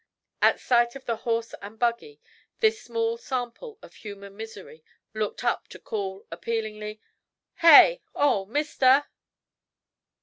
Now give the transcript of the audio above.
At sight of the horse and buggy this small sample of human misery looked up to call, appealingly: "Hey! Oh, mister!"